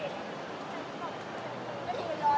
สวัสดีครับ